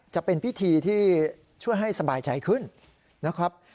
จะเป็นพิธีที่ช่วยให้สบายใจขึ้นนะครับ